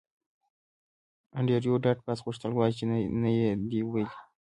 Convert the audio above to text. انډریو ډاټ باس غوښتل ووایی چې نه یې دی ویلي